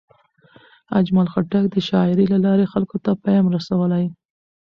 اجمل خټک د شاعرۍ له لارې خلکو ته پیام رسولی.